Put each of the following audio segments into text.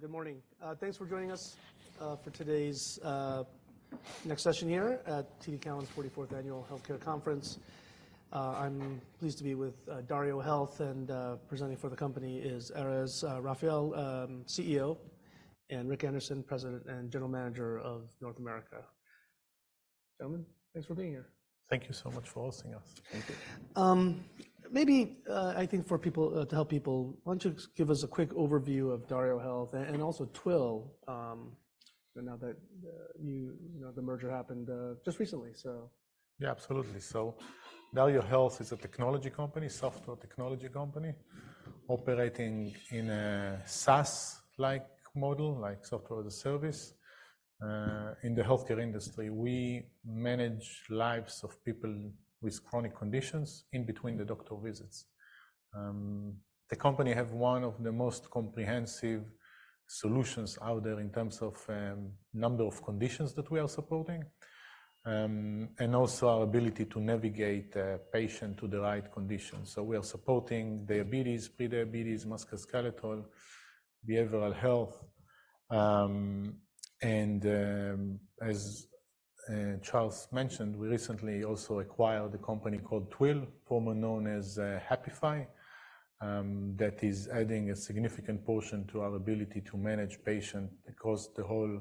Good morning. Thanks for joining us for today's next session here at TD Cowen's forty-fourth Annual Healthcare Conference. I'm pleased to be with DarioHealth, and presenting for the company is Erez Raphael, CEO, and Rick Anderson, President and General Manager of North America. Gentlemen, thanks for being here. Thank you so much for hosting us. Thank you. Maybe, I think for people to help people, why don't you give us a quick overview of DarioHealth and also Twill, now that, you know, the merger happened just recently, so. Yeah, absolutely. So DarioHealth is a technology company, software technology company, operating in a SaaS-like model, like software as a service. In the healthcare industry, we manage lives of people with chronic conditions in between the doctor visits. The company have one of the most comprehensive solutions out there in terms of number of conditions that we are supporting, and also our ability to navigate a patient to the right condition. So we are supporting diabetes, prediabetes, musculoskeletal, behavioral health. And as Charles mentioned, we recently also acquired a company called Twill, formerly known as Happify, that is adding a significant portion to our ability to manage patient across the whole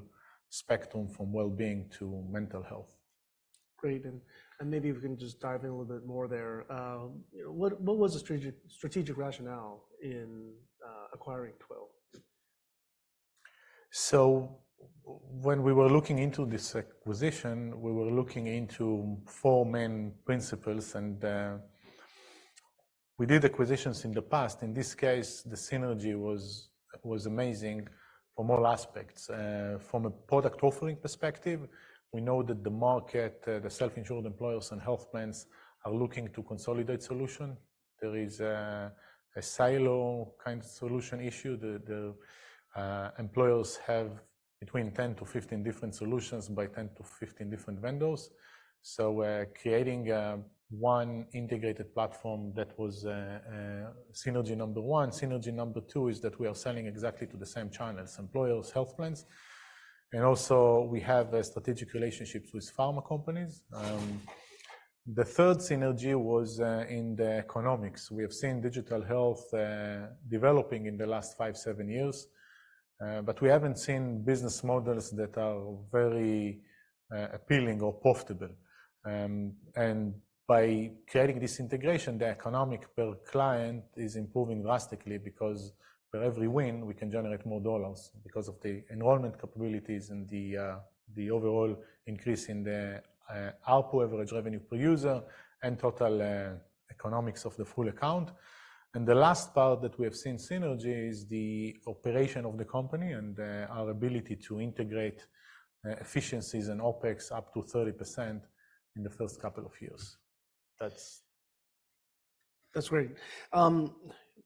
spectrum from well-being to mental health. Great, and maybe we can just dive in a little bit more there. What was the strategic rationale in acquiring Twill? So when we were looking into this acquisition, we were looking into four main principles, and, we did acquisitions in the past. In this case, the synergy was amazing from all aspects. From a product offering perspective, we know that the market, the self-insured employers and health plans are looking to consolidate solution. There is a silo kind of solution issue. The employers have between 10-15 different solutions by 10-15 different vendors. So we're creating one integrated platform that was synergy number one. Synergy number two is that we are selling exactly to the same channels, employers, health plans, and also we have strategic relationships with pharma companies. The third synergy was in the economics. We have seen digital health developing in the last 5-7 years, but we haven't seen business models that are very appealing or profitable. And by creating this integration, the economic per client is improving drastically because for every win, we can generate more dollars because of the enrollment capabilities and the overall increase in the ARPU, Average Revenue Per User, and total economics of the full account. And the last part that we have seen synergy is the operation of the company and our ability to integrate efficiencies and OpEx up to 30% in the first couple of years. That's, that's great.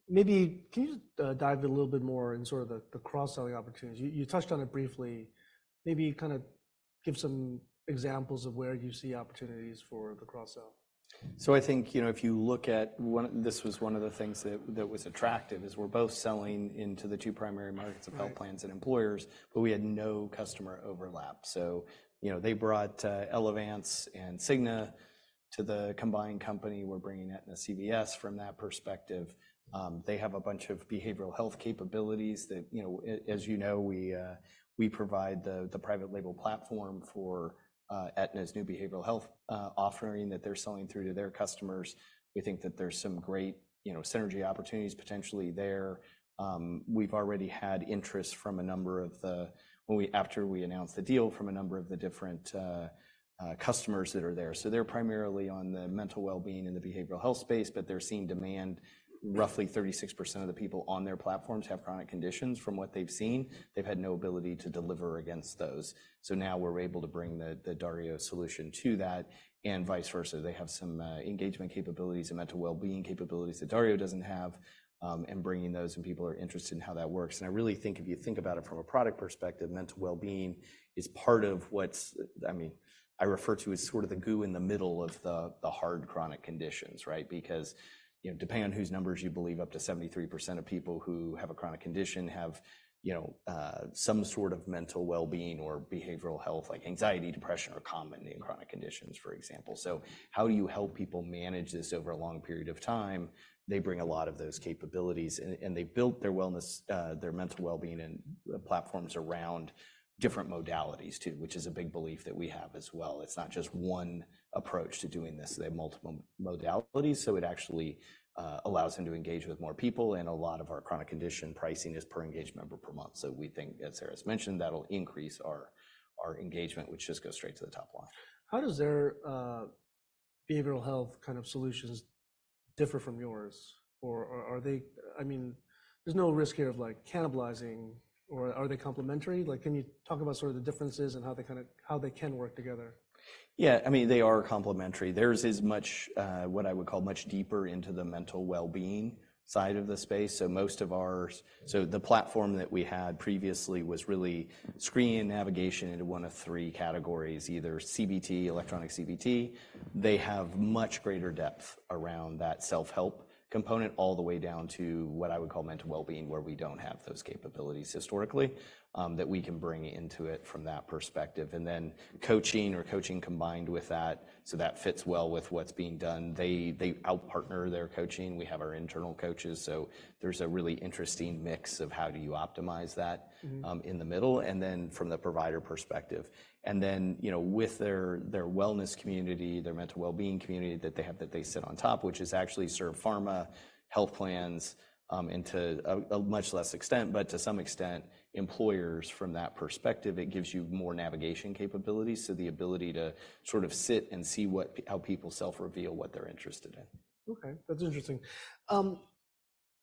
Maybe can you dive in a little bit more in sort of the cross-selling opportunities? You touched on it briefly. Maybe kind of give some examples of where you see opportunities for the cross-sell. I think, you know, if you look at one. This was one of the things that was attractive, is we're both selling into the two primary markets. Right... of health plans and employers, but we had no customer overlap. So, you know, they brought Elevance and Cigna to the combined company. We're bringing Aetna-CVS from that perspective. They have a bunch of behavioral health capabilities that, you know, as you know, we provide the private label platform for Aetna's new behavioral health offering that they're selling through to their customers. We think that there's some great, you know, synergy opportunities potentially there. We've already had interest from a number of the, when we, after we announced the deal, from a number of the different customers that are there. So they're primarily on the mental well-being and the behavioral health space, but they're seeing demand. Roughly 36% of the people on their platforms have chronic conditions from what they've seen. They've had no ability to deliver against those. So now we're able to bring the Dario solution to that, and vice versa. They have some engagement capabilities and mental well-being capabilities that Dario doesn't have, and bringing those, and people are interested in how that works. And I really think if you think about it from a product perspective, mental well-being is part of what's, I mean, I refer to as sort of the glue in the middle of the hard chronic conditions, right? Because, you know, depending on whose numbers you believe, up to 73% of people who have a chronic condition have, you know, some sort of mental well-being or behavioral health, like anxiety, depression, are common in chronic conditions, for example. So how do you help people manage this over a long period of time? They bring a lot of those capabilities, and they built their wellness, their mental well-being and platforms around different modalities, too, which is a big belief that we have as well. It's not just one approach to doing this. They have multiple modalities, so it actually allows them to engage with more people, and a lot of our chronic condition pricing is per engaged member per month. So we think, as Erez mentioned, that'll increase our engagement, which just goes straight to the top line. How does their behavioral health kind of solutions differ from yours? Or are they, I mean, there's no risk here of, like, cannibalizing, or are they complementary? Like, can you talk about sort of the differences and how they kind of, how they can work together? Yeah, I mean, they are complementary. Theirs is much, what I would call much deeper into the mental well-being side of the space. So most of ours-- So the platform that we had previously was really screening and navigation into one of three categories, either CBT, electronic CBT. They have much greater depth around that self-help component, all the way down to what I would call mental well-being, where we don't have those capabilities historically, that we can bring into it from that perspective. And then coaching or coaching combined with that, so that fits well with what's being done. They, they out-partner their coaching. We have our internal coaches, so there's a really interesting mix of how do you optimize that- Mm-hmm. in the middle, and then from the provider perspective. And then, you know, with their wellness community, their mental well-being community that they have that they sit on top, which is actually serve pharma, health plans, and to a much less extent, but to some extent, employers from that perspective, it gives you more navigation capabilities. So the ability to sort of sit and see what how people self-reveal what they're interested in. Okay, that's interesting. I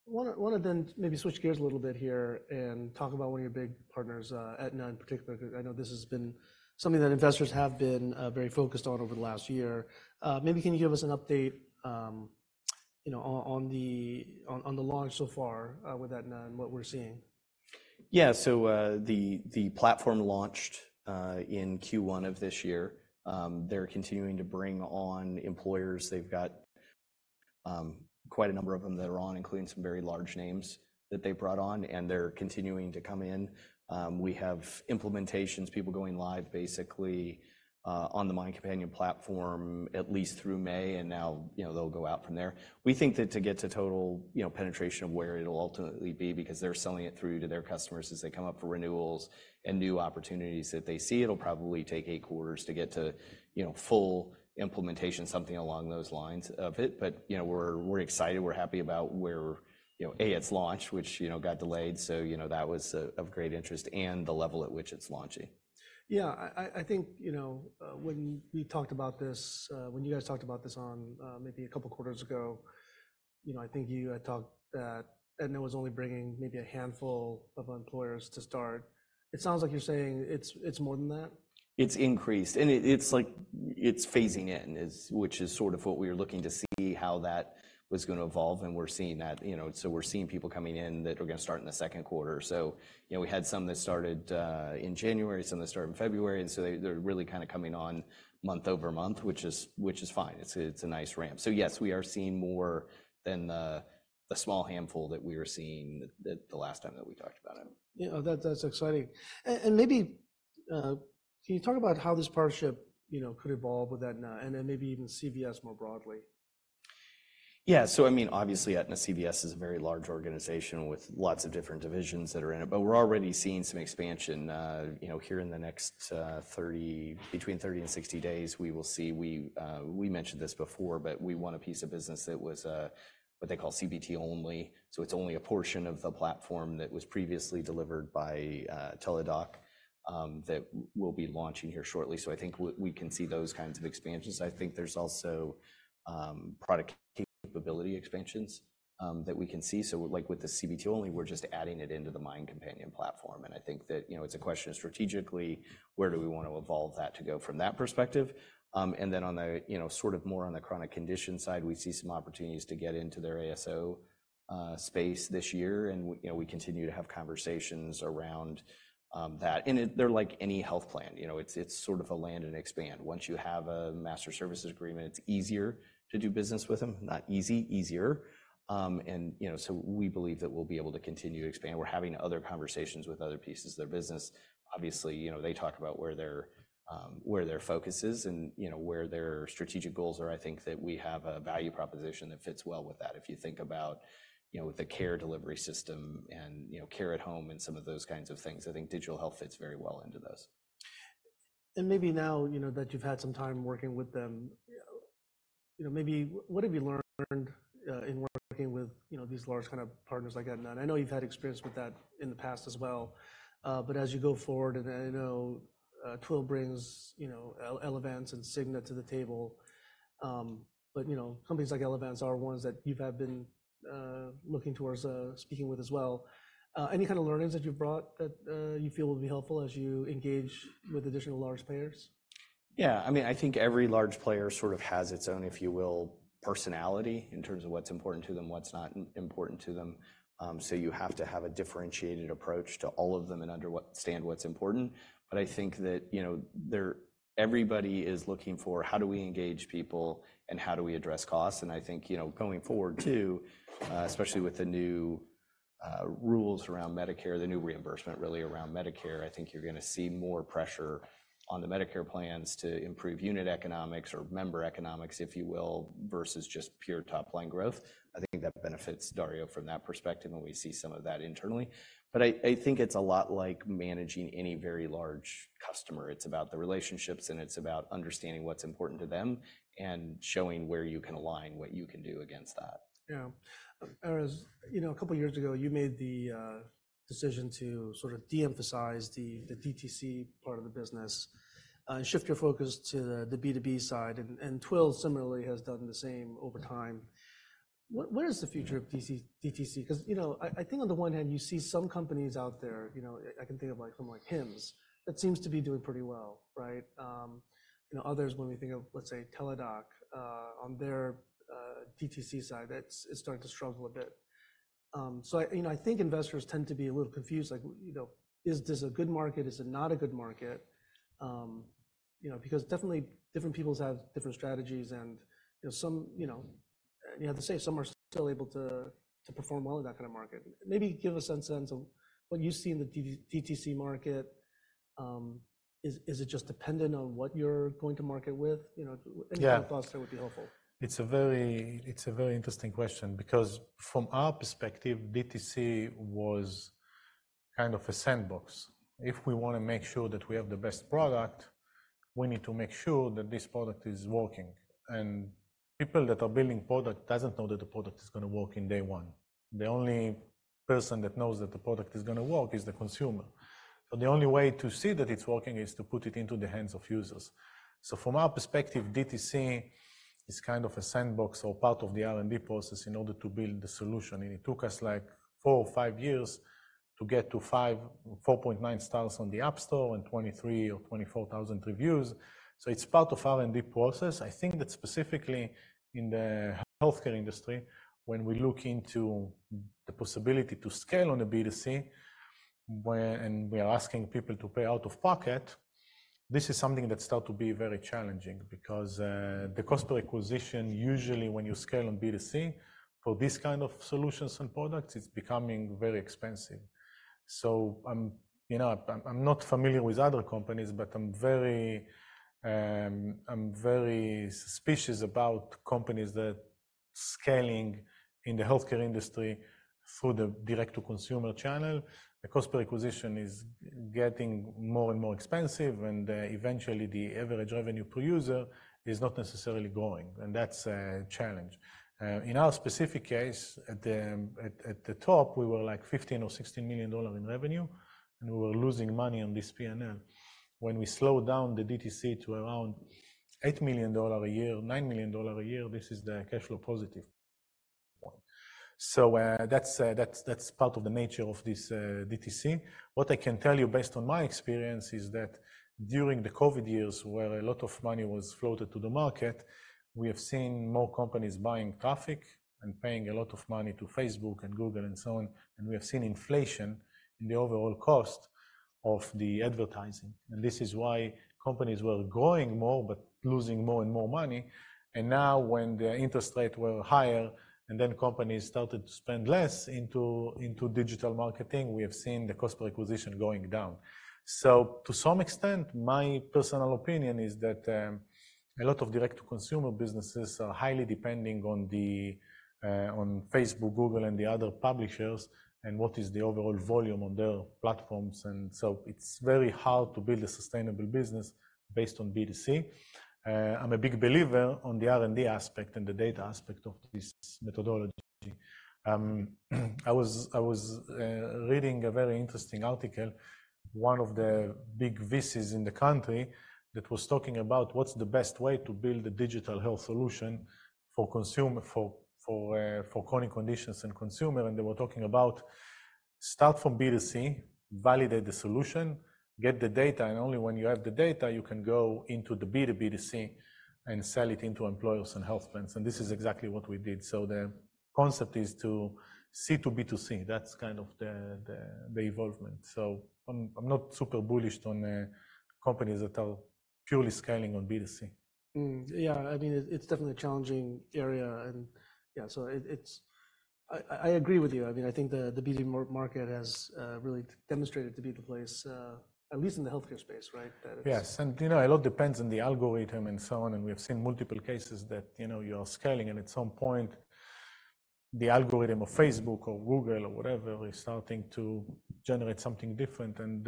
wanna then maybe switch gears a little bit here and talk about one of your big partners, Aetna in particular. I know this has been something that investors have been very focused on over the last year. Maybe can you give us an update, you know, on the launch so far, with Aetna and what we're seeing? Yeah. So, the platform launched in Q1 of this year. They're continuing to bring on employers. They've got quite a number of them that are on, including some very large names that they brought on, and they're continuing to come in. We have implementations, people going live basically on the Mind Companion platform at least through May, and now, you know, they'll go out from there. We think that to get to total, you know, penetration of where it'll ultimately be because they're selling it through to their customers as they come up for renewals and new opportunities that they see, it'll probably take eight quarters to get to, you know, full implementation, something along those lines of it. But, you know, we're excited. We're happy about where, you know, it's launched, which, you know, got delayed, so, you know, that was of great interest and the level at which it's launching. Yeah, I think, you know, when we talked about this, when you guys talked about this on, maybe a couple quarters ago, you know, I think you had talked that Aetna was only bringing maybe a handful of employers to start. It sounds like you're saying it's, it's more than that? It's increased, and it's like it's phasing in, which is sort of what we were looking to see how that was gonna evolve, and we're seeing that. You know, so we're seeing people coming in that are gonna start in the second quarter. So, you know, we had some that started in January, some that started in February, and so they're really kind of coming on month-over-month, which is fine. It's a nice ramp. So yes, we are seeing more than the small handful that we were seeing the last time that we talked about it. Yeah, that, that's exciting. And maybe, can you talk about how this partnership, you know, could evolve with Aetna, and then maybe even CVS more broadly? Yeah. So I mean, obviously, Aetna CVS is a very large organization with lots of different divisions that are in it, but we're already seeing some expansion. You know, here in the next between 30 and 60 days, we will see. We mentioned this before, but we won a piece of business that was what they call CBT only. So it's only a portion of the platform that was previously delivered by Teladoc that we'll be launching here shortly. So I think we can see those kinds of expansions. I think there's also product capability expansions that we can see. So, like with the CBT only, we're just adding it into the Mind Companion platform, and I think that, you know, it's a question of strategically, where do we want to evolve that to go from that perspective? And then on the, you know, sort of more on the chronic condition side, we see some opportunities to get into their ASO space this year, and, you know, we continue to have conversations around that. And it's-- they're like any health plan, you know. It's, it's sort of a land and expand. Once you have a master services agreement, it's easier to do business with them. Not easy, easier. And, you know, so we believe that we'll be able to continue to expand. We're having other conversations with other pieces of their business. Obviously, you know, they talk about where their, where their focus is and, you know, where their strategic goals are. I think that we have a value proposition that fits well with that. If you think about, you know, the care delivery system and, you know, care at home and some of those kinds of things, I think digital health fits very well into this. Maybe now, you know, that you've had some time working with them, you know, maybe what have you learned in working with, you know, these large kind of partners like Aetna? I know you've had experience with that in the past as well, but as you go forward, and I know Twill brings, you know, Elevance and Cigna to the table. But, you know, companies like Elevance are ones that you have been looking towards speaking with as well. Any kind of learnings that you've brought that you feel will be helpful as you engage with additional large players? Yeah. I mean, I think every large player sort of has its own, if you will, personality in terms of what's important to them, what's not important to them. So you have to have a differentiated approach to all of them and understand what's important. But I think that, you know, they're everybody is looking for: how do we engage people, and how do we address costs? And I think, you know, going forward, too, especially with the new rules around Medicare, the new reimbursement really around Medicare, I think you're gonna see more pressure on the Medicare plans to improve unit economics or member economics, if you will, versus just pure top-line growth. I think that benefits Dario from that perspective, and we see some of that internally. But I, I think it's a lot like managing any very large customer. It's about the relationships, and it's about understanding what's important to them and showing where you can align what you can do against that. Yeah. As you know, a couple of years ago, you made the decision to sort of de-emphasize the DTC part of the business and shift your focus to the B2B side, and Twill similarly has done the same over time. What is the future of DTC? Because, you know, I think on the one hand, you see some companies out there, you know, I can think of like someone like Hims that seems to be doing pretty well, right? You know, others, when we think of, let's say, Teladoc on their DTC side, it's starting to struggle a bit. So, you know, I think investors tend to be a little confused, like, you know, is this a good market? Is it not a good market? You know, because definitely different people have different strategies, and, you know, some, you know, you have to say, some are still able to perform well in that kind of market. Maybe give us some sense of what you see in the DTC market. Is it just dependent on what you're going to market with? You know- Yeah. Any kind of thoughts there would be helpful. It's a very interesting question because from our perspective, DTC was kind of a sandbox. If we wanna make sure that we have the best product, we need to make sure that this product is working, and people that are building product doesn't know that the product is gonna work in day one. The only person that knows that the product is gonna work is the consumer. So the only way to see that it's working is to put it into the hands of users. So from our perspective, DTC is kind of a sandbox or part of the R&D process in order to build the solution, and it took us, like, 4 or 5 years to get to 5... 4.9 stars on the App Store and 23,000 or 24,000 reviews. So it's part of R&D process. I think that specifically in the healthcare industry, when we look into the possibility to scale on a B2C, where we are asking people to pay out of pocket, this is something that start to be very challenging because the cost per acquisition, usually when you scale on B2C, for these kind of solutions and products, it's becoming very expensive. So you know, I'm not familiar with other companies, but I'm very suspicious about companies that scaling in the healthcare industry through the direct-to-consumer channel. The cost per acquisition is getting more and more expensive, and eventually, the average revenue per user is not necessarily growing, and that's a challenge. In our specific case, at the top, we were, like, $15 million or $16 million in revenue, and we were losing money on this P&L. When we slowed down the DTC to around $8 million a year, $9 million a year, this is the cash flow positive. So, that's, that's, that's part of the nature of this, DTC. What I can tell you, based on my experience, is that during the COVID years, where a lot of money was floated to the market, we have seen more companies buying traffic and paying a lot of money to Facebook and Google and so on, and we have seen inflation in the overall cost of the advertising. Now, when the interest rate were higher, and then companies started to spend less into digital marketing, we have seen the cost per acquisition going down. So to some extent, my personal opinion is that a lot of direct-to-consumer businesses are highly depending on the on Facebook, Google, and the other publishers, and what is the overall volume on their platforms. So it's very hard to build a sustainable business based on B2C. I'm a big believer on the R&D aspect and the data aspect of this methodology. I was reading a very interesting article, one of the big VCs in the country, that was talking about what's the best way to build a digital health solution for consumer, for chronic conditions and consumer, and they were talking about start from B2C, validate the solution, get the data, and only when you have the data, you can go into the B2B2C and sell it into employers and health plans, and this is exactly what we did. So the concept is to C2B2C. That's kind of the evolvement. So I'm not super bullish on companies that are purely scaling on B2C. Yeah, I mean, it's definitely a challenging area, and yeah, so it's... I agree with you. I mean, I think the B2C market has really demonstrated to be the place, at least in the healthcare space, right? That it's- Yes, and, you know, a lot depends on the algorithm and so on, and we have seen multiple cases that, you know, you are scaling, and at some point, the algorithm of Facebook or Google or whatever is starting to generate something different. And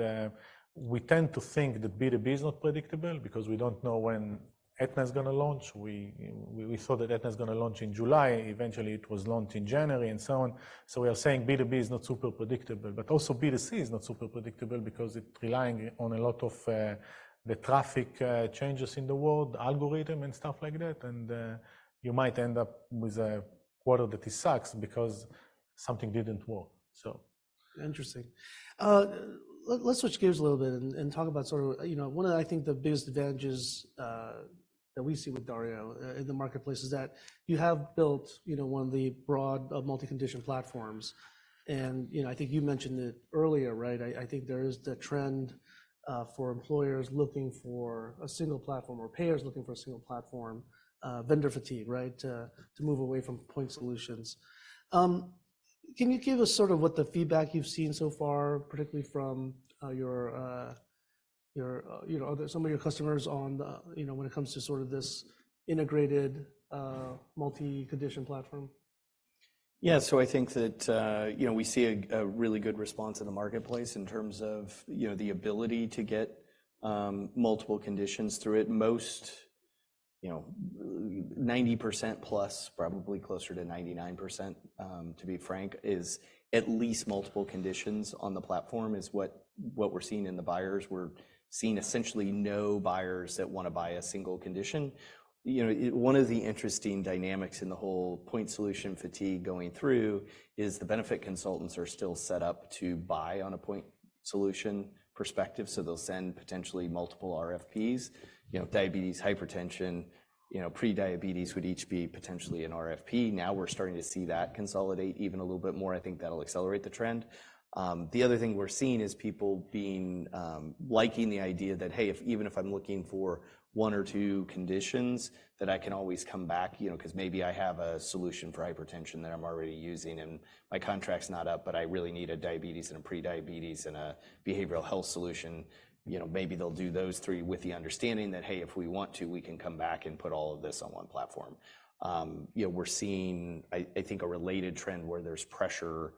we tend to think that B2B is not predictable because we don't know when Aetna's gonna launch. We thought that Aetna's gonna launch in July. Eventually, it was launched in January, and so on. So we are saying B2B is not super predictable, but also B2C is not super predictable because it's relying on a lot of the traffic changes in the world, algorithm and stuff like that, and you might end up with a quarter that it sucks because something didn't work. So- Interesting. Let's switch gears a little bit and talk about sort of... You know, one of, I think, the biggest advantages that we see with Dario in the marketplace is that you have built, you know, one of the broad multi-condition platforms. And, you know, I think you mentioned it earlier, right? I think there is the trend for employers looking for a single platform or payers looking for a single platform, vendor fatigue, right, to move away from point solutions. Can you give us sort of what the feedback you've seen so far, particularly from your, you know, some of your customers on the, you know, when it comes to sort of this integrated multi-condition platform? Yeah. So I think that, you know, we see a really good response in the marketplace in terms of, you know, the ability to get multiple conditions through it. Most-... you know, 90%+, probably closer to 99%, to be frank, is at least multiple conditions on the platform, is what, what we're seeing in the buyers. We're seeing essentially no buyers that wanna buy a single condition. You know, one of the interesting dynamics in the whole point solution fatigue going through, is the benefit consultants are still set up to buy on a point solution perspective, so they'll send potentially multiple RFPs. You know, diabetes, hypertension, you know, pre-diabetes would each be potentially an RFP. Now, we're starting to see that consolidate even a little bit more. I think that'll accelerate the trend. The other thing we're seeing is people liking the idea that, 'Hey, even if I'm looking for one or two conditions, that I can always come back, you know, 'cause maybe I have a solution for hypertension that I'm already using, and my contract's not up, but I really need a diabetes and a pre-diabetes and a behavioral health solution.' You know, maybe they'll do those three with the understanding that, "Hey, if we want to, we can come back and put all of this on one platform." You know, we're seeing, I think, a related trend where there's pressure,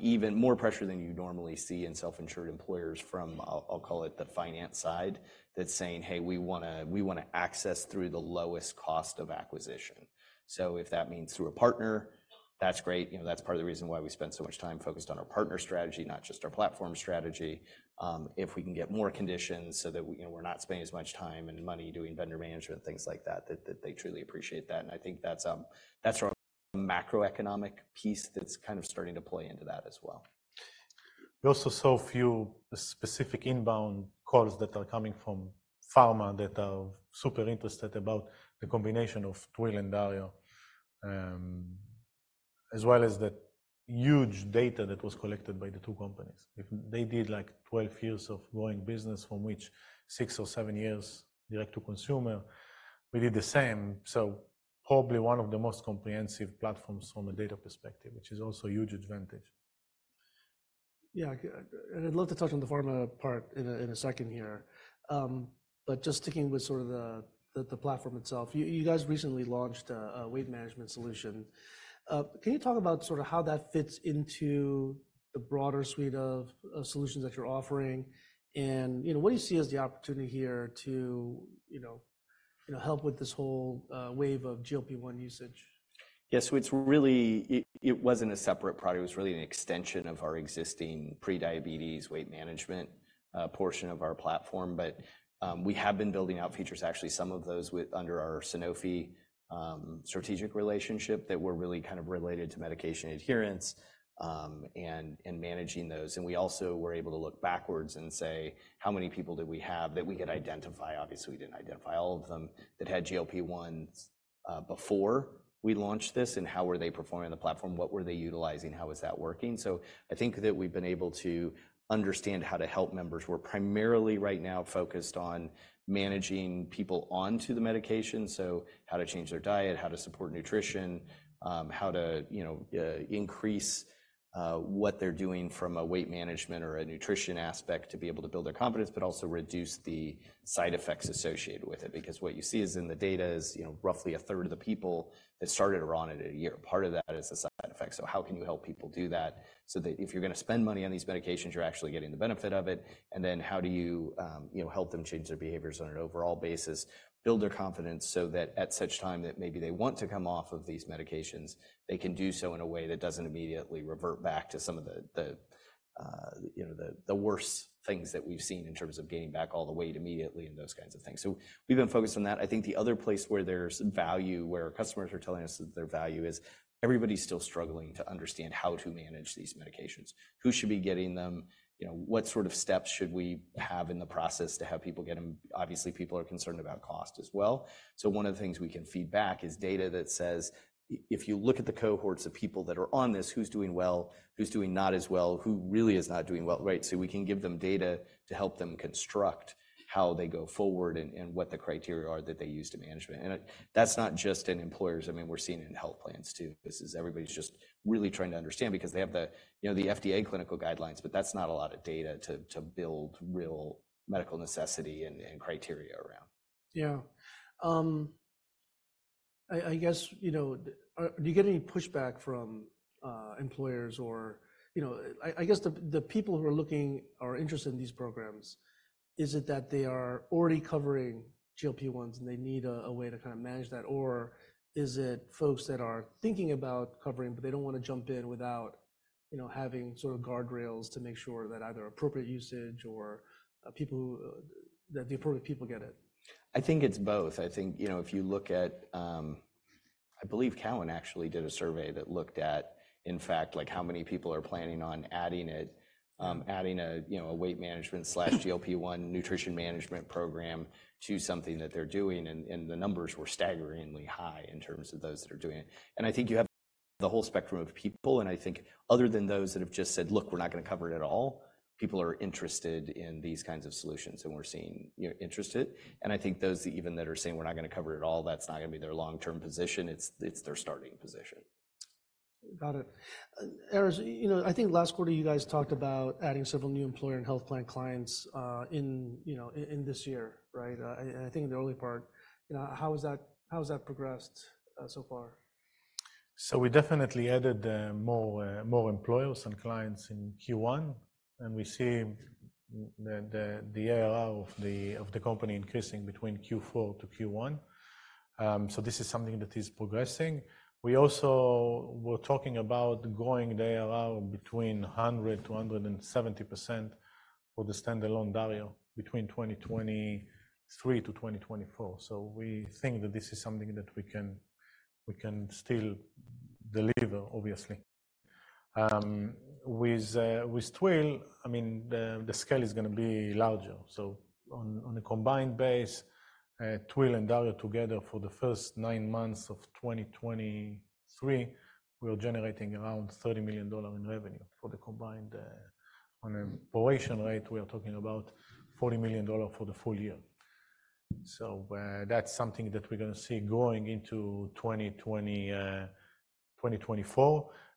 even more pressure than you'd normally see in self-insured employers from, I'll call it the finance side, that's saying: Hey, we wanna, we wanna access through the lowest cost of acquisition. So if that means through a partner, that's great. You know, that's part of the reason why we spend so much time focused on our partner strategy, not just our platform strategy. If we can get more conditions so that, you know, we're not spending as much time and money doing vendor management and things like that, that they truly appreciate that, and I think that's a macroeconomic piece that's kind of starting to play into that as well. We also saw a few specific inbound calls that are coming from pharma that are super interested about the combination of Twill and Dario. As well as the huge data that was collected by the two companies. If they did, like, 12 years of growing business, from which 6 or 7 years direct to consumer, we did the same. So probably one of the most comprehensive platforms from a data perspective, which is also a huge advantage. Yeah, and I'd love to touch on the pharma part in a second here. But just sticking with sort of the platform itself, you guys recently launched a weight management solution. Can you talk about sort of how that fits into the broader suite of solutions that you're offering? And, you know, what do you see as the opportunity here to, you know, you know, help with this whole wave of GLP-1 usage? Yeah, so it really wasn't a separate product. It was really an extension of our existing pre-diabetes weight management portion of our platform. But we have been building out features, actually, some of those within our Sanofi strategic relationship, that were really kind of related to medication adherence and managing those. And we also were able to look backwards and say: How many people did we have that we could identify? Obviously, we didn't identify all of them that had GLP-1 before we launched this, and how were they performing on the platform? What were they utilizing? How was that working? So I think that we've been able to understand how to help members. We're primarily, right now, focused on managing people onto the medication, so how to change their diet, how to support nutrition, how to, you know, increase what they're doing from a weight management or a nutrition aspect to be able to build their confidence, but also reduce the side effects associated with it. Because what you see is in the data is, you know, roughly a third of the people that started are on it a year. Part of that is a side effect, so how can you help people do that so that if you're going to spend money on these medications, you're actually getting the benefit of it? And then how do you, you know, help them change their behaviors on an overall basis, build their confidence so that at such time that maybe they want to come off of these medications, they can do so in a way that doesn't immediately revert back to some of the, you know, worst things that we've seen in terms of gaining back all the weight immediately and those kinds of things? So we've been focused on that. I think the other place where there's value, where customers are telling us that their value is everybody's still struggling to understand how to manage these medications. Who should be getting them? You know, what sort of steps should we have in the process to have people get them? Obviously, people are concerned about cost as well. So one of the things we can feed back is data that says, "If you look at the cohorts of people that are on this, who's doing well, who's doing not as well, who really is not doing well," right? So we can give them data to help them construct how they go forward and what the criteria are that they use to manage it. That's not just in employers. I mean, we're seeing it in health plans, too. This is everybody's just really trying to understand because they have the, you know, the FDA clinical guidelines, but that's not a lot of data to build real medical necessity and criteria around. Yeah. I guess, you know, do you get any pushback from employers or... You know, I guess the people who are looking or interested in these programs, is it that they are already covering GLP-1s, and they need a way to kind of manage that? Or is it folks that are thinking about covering, but they don't want to jump in without, you know, having sort of guardrails to make sure that either appropriate usage or people who that the appropriate people get it? I think it's both. I think, you know, if you look at, I believe Cowen actually did a survey that looked at, in fact, like, how many people are planning on adding it, adding a, you know, a weight management/GLP-1 nutrition management program to something that they're doing, and the numbers were staggeringly high in terms of those that are doing it. I think you have the whole spectrum of people, and I think other than those that have just said, "Look, we're not going to cover it at all," people are interested in these kinds of solutions, and we're seeing, you know, interested. I think those even that are saying, "We're not going to cover it at all," that's not going to be their long-term position. It's their starting position. Got it. Erez, you know, I think last quarter, you guys talked about adding several new employer and health plan clients in this year, right? I think in the early part. You know, how has that progressed so far?... So we definitely added more employers and clients in Q1, and we see the ARR of the company increasing between Q4 to Q1. So this is something that is progressing. We also were talking about growing the ARR 100%-170% for the standalone Dario between 2023 to 2024. So we think that this is something that we can still deliver, obviously. With Twill, I mean, the scale is going to be larger. So on a combined basis, Twill and Dario together for the first nine months of 2023, we are generating around $30 million in revenue for the combined, on a pro forma rate, we are talking about $40 million for the full year. So, that's something that we're going to see going into 2024.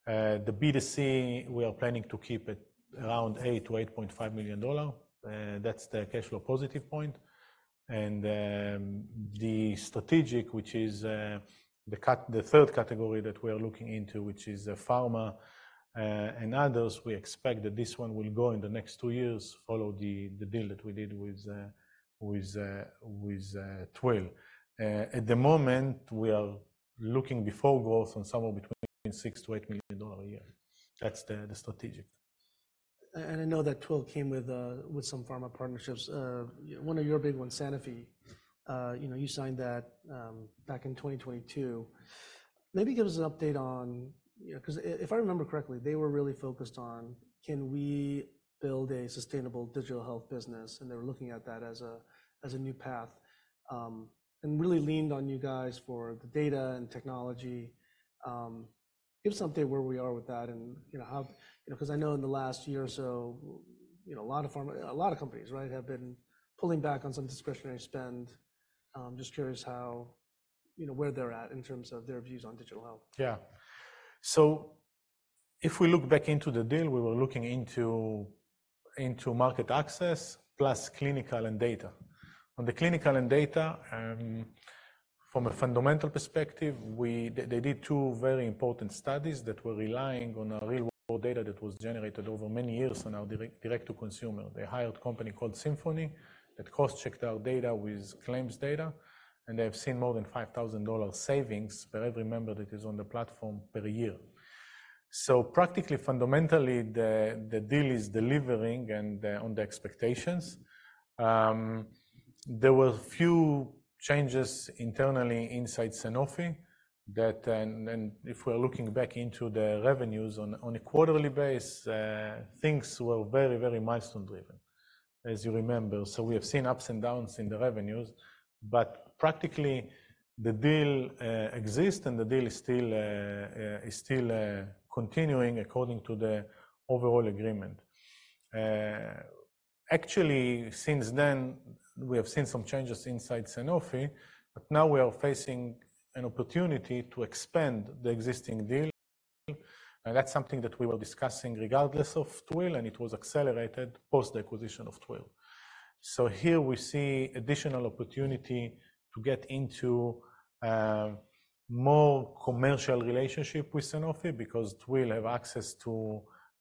The B2C, we are planning to keep it around $8-$8.5 million. That's the cash flow positive point. The strategic, which is the third category that we are looking into, which is pharma and others, we expect that this one will go in the next two years, follow the deal that we did with Twill. At the moment, we are looking for growth on somewhere between $6-$8 million a year. That's the strategic. I know that Twill came with some pharma partnerships. One of your big ones, Sanofi, you know, you signed that back in 2022. Maybe give us an update on... You know, 'cause if I remember correctly, they were really focused on, can we build a sustainable digital health business? And they were looking at that as a new path, and really leaned on you guys for the data and technology. Give us an update where we are with that, and you know, how, you know, 'cause I know in the last year or so, you know, a lot of pharma, a lot of companies, right, have been pulling back on some discretionary spend. Just curious how, you know, where they're at in terms of their views on digital health. Yeah. So if we look back into the deal, we were looking into market access, plus clinical and data. On the clinical and data, from a fundamental perspective, they did two very important studies that were relying on real-world data that was generated over many years on our direct-to-consumer. They hired a company called Symphony that cross-checked our data with claims data, and they have seen more than $5,000 savings for every member that is on the platform per year. So practically, fundamentally, the deal is delivering and on the expectations. There were a few changes internally inside Sanofi that and if we're looking back into the revenues on a quarterly basis, things were very, very milestone driven, as you remember. So we have seen ups and downs in the revenues, but practically, the deal exists, and the deal is still continuing according to the overall agreement. Actually, since then, we have seen some changes inside Sanofi, but now we are facing an opportunity to expand the existing deal, and that's something that we were discussing regardless of Twill, and it was accelerated post the acquisition of Twill. So here we see additional opportunity to get into more commercial relationship with Sanofi because Twill have access to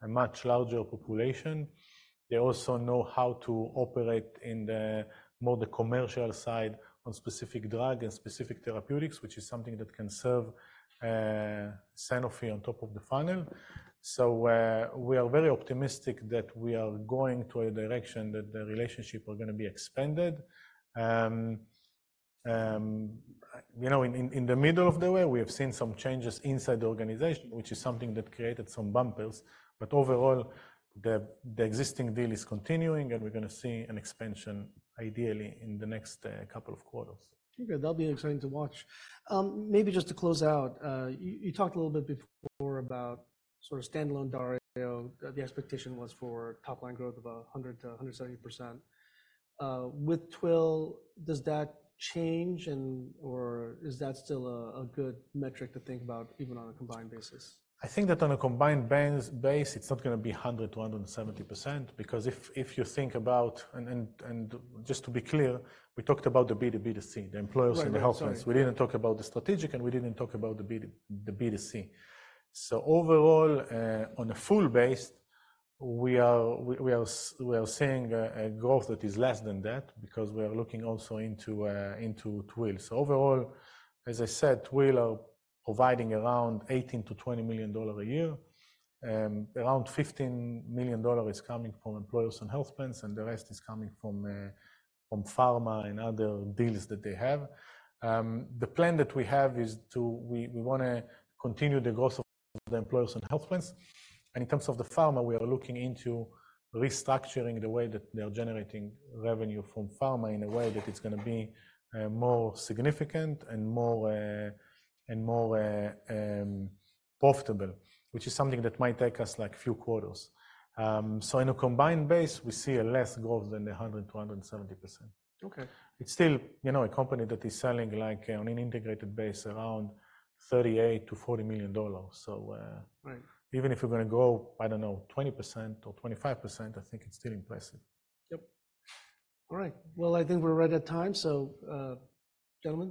a much larger population. They also know how to operate in the more commercial side on specific drug and specific therapeutics, which is something that can serve Sanofi on top of the funnel. So we are very optimistic that we are going to a direction that the relationship are going to be expanded. You know, in the middle of the way, we have seen some changes inside the organization, which is something that created some bumpers, but overall, the existing deal is continuing, and we're going to see an expansion, ideally, in the next couple of quarters. Okay, that'll be exciting to watch. Maybe just to close out, you, you talked a little bit before about sort of standalone Dario. The expectation was for top line growth of 100%-170%. With Twill, does that change, and/or is that still a good metric to think about, even on a combined basis? I think that on a combined basis, it's not going to be 100%-170%, because if you think about... And just to be clear, we talked about the B2B, B2C, the employers and the health plans. Right. Sorry. We didn't talk about the strategic, and we didn't talk about the B2, the B2C. So overall, on a full base, we are seeing a growth that is less than that because we are looking also into Twill. So overall, as I said, Twill are providing around $18-$20 million a year. Around $15 million is coming from employers and health plans, and the rest is coming from pharma and other deals that they have. The plan that we have is to... We wanna continue the growth of the employers and health plans, and in terms of the pharma, we are looking into restructuring the way that they are generating revenue from pharma in a way that it's going to be more significant and more profitable, which is something that might take us, like, few quarters. So in a combined base, we see a less growth than 100%-170%. Okay. It's still, you know, a company that is selling, like, on an integrated base, around $38 million-$40 million. So, Right. Even if we're going to grow, I don't know, 20% or 25%, I think it's still impressive. Yep. All right, well, I think we're right at time, so, gentlemen-